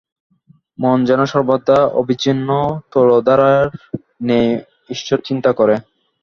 মন যেন সর্বদা অবিচ্ছিন্ন তৈলধারার ন্যায় ঈশ্বরচিন্তা করে।